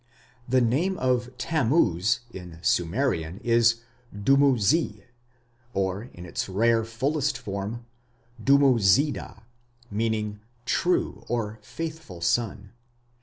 The name of Tammuz in Sumerian is Dumu zi, or in its rare fullest form, Dumuzida, meaning 'true or faithful son'.